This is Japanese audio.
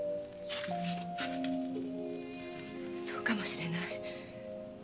そうかもしれない。